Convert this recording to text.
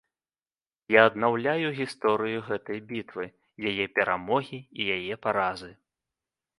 Я аднаўляю гісторыю гэтай бітвы, яе перамогі і яе паразы.